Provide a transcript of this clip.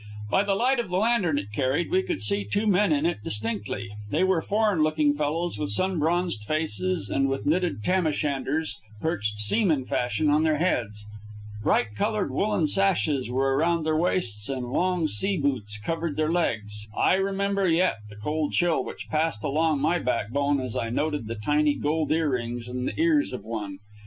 By the light of the lantern it carried we could see the two men in it distinctly. They were foreign looking fellows with sun bronzed faces, and with knitted tam o' shanters perched seaman fashion on their heads. Bright colored woolen sashes were around their waists, and long sea boots covered their legs. I remember yet the cold chill which passed along my backbone as I noted the tiny gold ear rings in the ears of one.